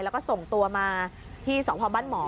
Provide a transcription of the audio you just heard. แล้วก็ส่งตัวมาที่สพบ้านหมอ